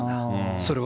それは。